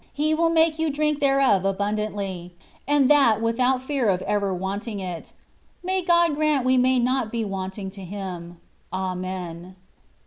He will make you drink thereof abundantly, and that without fear of ever wanting it. May God grant we may not be wanting to Him. Amen.